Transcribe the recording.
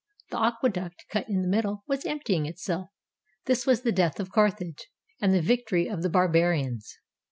The aqueduct, cut in the middle, was emptying itself. This was the death of Carthage and the victory of the Bar barians.